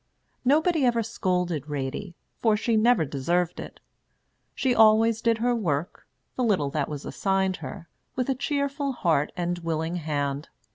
Nobody ever scolded Ratie, for she never deserved it. She always did her work the little that was assigned her with a cheerful heart and willing hand.